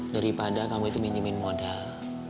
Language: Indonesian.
daripada kamu itu minimin modal